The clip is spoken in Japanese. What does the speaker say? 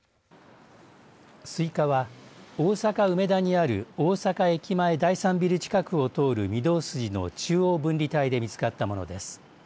スイカは大阪梅田にある大阪駅前第３ビル近くを通る御堂筋の中央分離帯で見つかったものです。